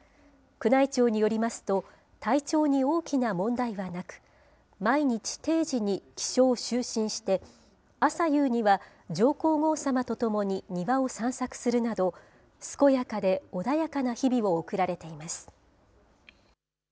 宮内庁によりますと、体調に大きな問題はなく、毎日、定時に起床・就寝して、朝夕には上皇后さまと共に庭を散策するなど、健やかで穏やかな日々を送られています。